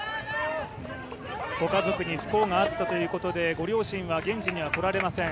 ご家族に不幸があったということで、ご両親は現地には来られません。